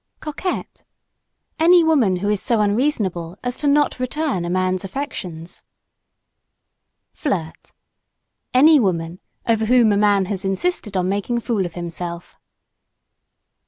COQUETTE Any woman who is so unreasonable as not to return a man's affections. FLIRT Any woman, over whom a man has insisted on making a fool of himself.